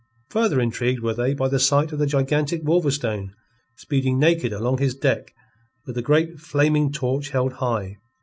Further intrigued were they by the sight of the gigantic Wolverstone speeding naked along his deck with a great flaming torch held high.